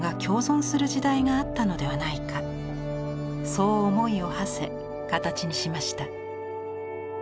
そう思いをはせ形にしました。